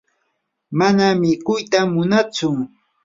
mana mikuyta munatsu.